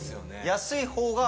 安いほうが。